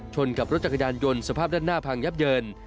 กับรถจักรยานยนต์สภาพด้านหน้าพังยับเยิน